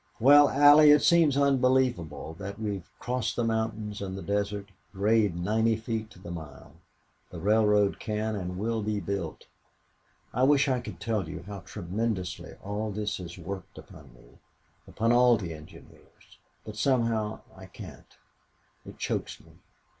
Well Allie, it seems unbelievable that we have crossed the mountains and the desert grade ninety feet to the mile! The railroad can and will be built. I wish I could tell you how tremendously all this has worked upon me upon all the engineers. But somehow I can't. It chokes me.